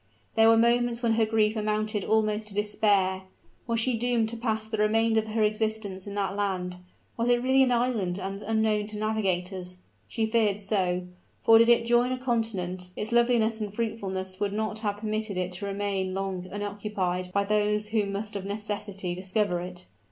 There were moments when her grief amounted almost to despair. Was she doomed to pass the remainder of her existence in that land? was it really an island and unknown to navigators? She feared so: for did it join a continent, its loveliness and fruitfulness would not have permitted it to remain long unoccupied by those who must of necessity discover it.